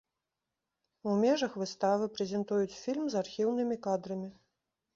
У межах выставы прэзентуюць фільм з архіўнымі кадрамі.